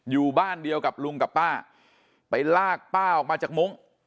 อยู่บ้านเดียวกับลุงกับป้าไปลากป้าออกมาจากมุ้ง